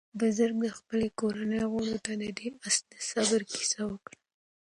بزګر د خپلې کورنۍ غړو ته د دې آس د صبر کیسه وکړه.